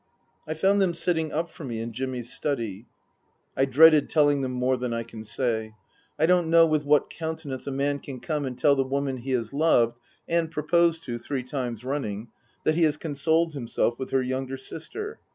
I found them sitting up for me in Jimmy's study. I dreaded telling them more than I can say. I don't Book II : Her Book 163 know with what countenance a man can come and tell the woman he has loved (and proposed to three times running) that he has consoled himself with her younger sister.